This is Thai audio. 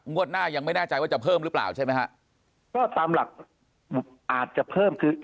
หน้ายังไม่แน่ใจว่าจะเพิ่มหรือเปล่าใช่ไหมฮะก็ตามหลักอาจจะเพิ่มคือ